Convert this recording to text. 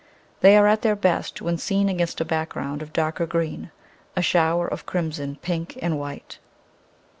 They are at their best when seen against a background of darker green, a shower of crimson, pink, and white.